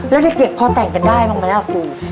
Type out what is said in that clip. แล้วเด็กพอแต่งกันได้หรือเปล่าน่ะครู